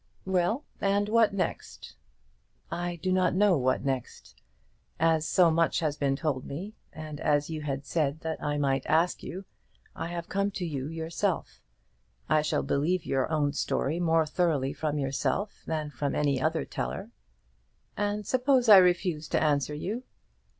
"Well; and what next?" "I do not know what next. As so much has been told me, and as you had said that I might ask you, I have come to you, yourself. I shall believe your own story more thoroughly from yourself than from any other teller." "And suppose I refuse to answer you?"